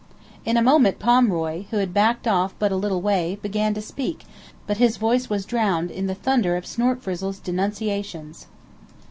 In a moment Pomeroy, who had backed off but a little way, began to speak, but his voice was drowned in the thunder of Snortfrizzle's denunciations.